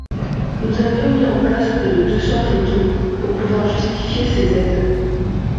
Nous avions mis en place près de deux cents photos pour pouvoir justifier ces aides.